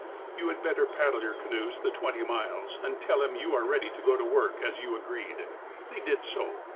You had better paddle your canoes the twenty miles, and tell him you are ready to go to work, as you agreed." They did so.